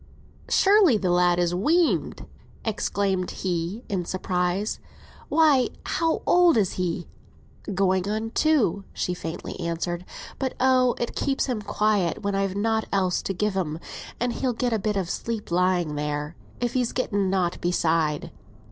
"Surely the lad is weaned!" exclaimed he, in surprise. "Why, how old is he?" "Going on two year," she faintly answered. "But, oh! it keeps him quiet when I've nought else to gi' him, and he'll get a bit of sleep lying there, if he's getten nought beside.